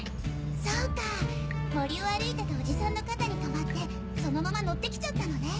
そうか森を歩いてたおじさんの肩に止まってそのまま乗って来ちゃったのね。